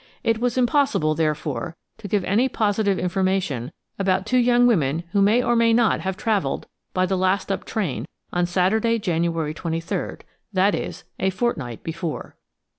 It was impossible, therefore, to give any positive information about two young women who may or may not have travelled by the last up train on Saturday, January 23rd–that is, a fortnight before.